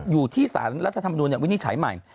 อยู่ที่สารรัฐธรรมนุนวินิจฉัยใหม่